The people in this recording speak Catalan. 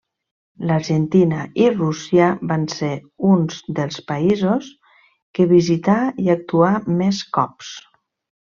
L'Argentina i Rússia van ser uns dels països que visità i actuà més cops.